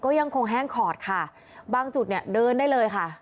ก็ยังคงแห้งขอดค่ะบางจุดเนี่ยเดินได้เลยค่ะ